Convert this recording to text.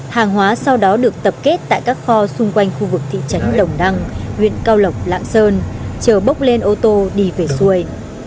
hàng hóa sau đó được tập kết tại các kho xung quanh khu vực thị trấn đồng đăng huyện cao lộc lạng sơn chờ bốc lên ô tô đi về xuôi